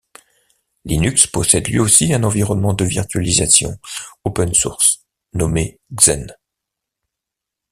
Linux possède lui aussi un environnement de virtualisation Open Source nommé Xen.